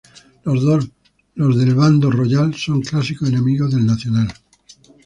Los del bando Royal son clásicos enemigos del Nacional.